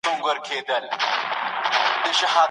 زه غواړم نن یو نوی کار تجربه کړم.